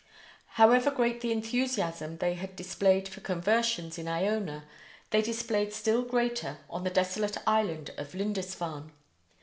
However great the enthusiasm they had displayed for conversions in Iona, they displayed still greater on the desolate isle of Lindisfarne.